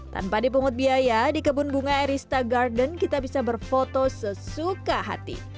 tanpa dipungut biaya di kebun bunga erista garden kita bisa berfoto sesuka hati